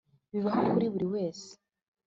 bibaho kuri buri wese.